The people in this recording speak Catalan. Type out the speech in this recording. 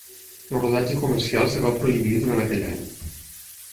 El rodatge comercial es va prohibir durant aquell any.